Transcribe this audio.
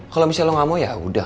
kalau misalnya lo gak mau yaudah